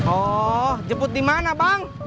oh jemput dimana bang